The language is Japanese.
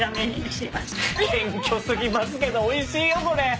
謙虚過ぎますけどおいしいよこれ。